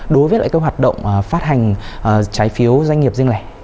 đối với lại cái hoạt động phát hành trái phiếu doanh nghiệp riêng lẻ